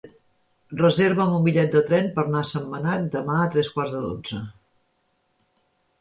Reserva'm un bitllet de tren per anar a Sentmenat demà a tres quarts de dotze.